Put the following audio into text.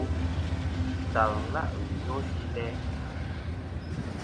Ntal la' wi no si læ.